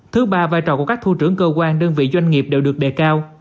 thứ ba vai trò của các thu trưởng cơ quan đơn vị doanh nghiệp đều được đề cao